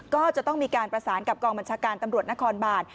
ก็จะต้องมีการประสานกับกองบัญชาการตำรวจนครบาล